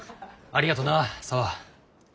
ありがとな沙和。